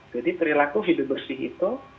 jadi perilaku hidup bersih itu